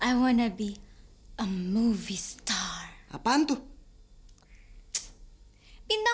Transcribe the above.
iya dari tadi saya perhatiin itu